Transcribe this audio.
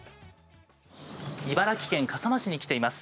茨城県笠間市に来ています。